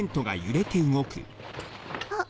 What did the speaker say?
あっ！